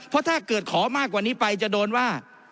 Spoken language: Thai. เพราะถ้าเกิดขอมากกว่านี้ไปจะโดนว่า